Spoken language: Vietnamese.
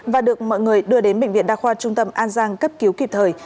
và được mọi người đưa đến bệnh viện đa khoa trung tâm an giang cấp cứu kịp thời